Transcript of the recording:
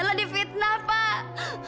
ela di fitnah pak